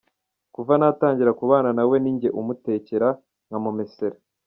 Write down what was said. Kuva natangira kubana nawe ninjye umutekera, nkamumesera.